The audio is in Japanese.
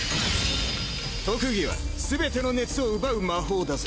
特技はすべての熱を奪う魔法だぜ。